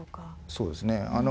そうですね。